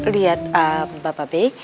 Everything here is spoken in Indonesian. lihat bapak b